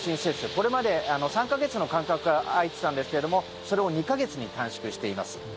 これまで３か月の間隔が空いていたんですけれどもそれを２か月に短縮しています。